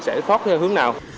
sẽ thoát hướng nào